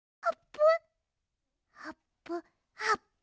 あっぷ！？